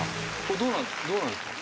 これどうなんですか？